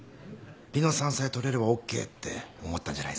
梨乃さんさえ撮れればＯＫって思ったんじゃないですかね。